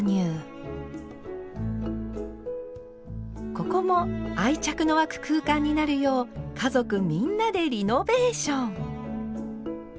ここも愛着の湧く空間になるよう家族みんなでリノベーション。